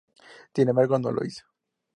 Sin embargo no lo hizo.